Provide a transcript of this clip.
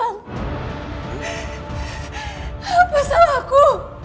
apa salah aku